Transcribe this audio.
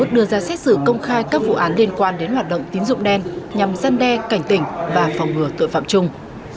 đưa ra xét xử công khai các vụ án liên quan đến hoạt động tín dụng đen nhằm gian đe cảnh tỉnh và phòng ngừa tội phạm chung